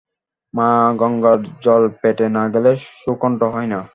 মা-গঙ্গার জল পেটে না গেলে সুকণ্ঠ হয় না।